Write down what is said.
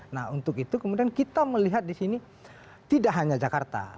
nah untuk itu kemudian kita melihat di sini tidak hanya jakarta